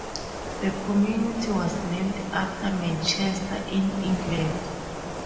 The community was named after Manchester, in England.